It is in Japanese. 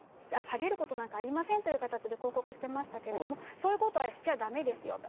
下げることなんかありませんという形で広告してましたけどそういうことはしちゃダメですよと。